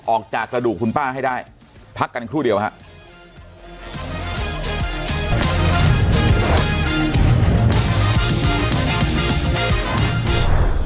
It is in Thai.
ออกจากกระดูกคุณป้าให้ได้พักกันอีกครู่เดียวนะครับ